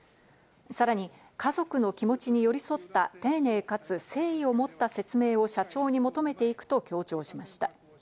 さらに家族の気持ちに寄り添った丁寧かつ誠意を持った説明を社長に求めていくと強調しました。